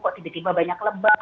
kok tiba tiba banyak lebak